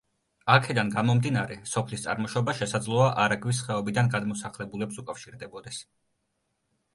აქედან გამომდინარე, სოფლის წარმოშობა შესაძლოა არაგვის ხეობიდან გადმოსახლებულებს უკავშირდებოდეს.